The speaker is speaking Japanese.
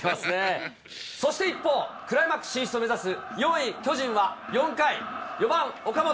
そして一方、クライマックス進出を目指す４位、巨人は４回、４番岡本。